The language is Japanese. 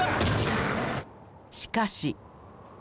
しかし。